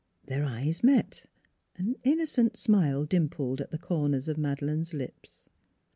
Their eyes met. ... An innocent smile dimpled the corners of Made leine's lips.